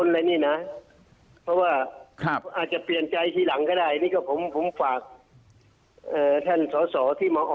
และส่อว่ามากี่คนที่เห็นที่ทางกับท่านส่อว่าโสงเดช